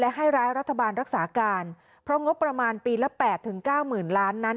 และให้ร้ายรัฐบาลรักษาการเพราะงบประมาณปีละ๘๙หมื่นล้านนั้น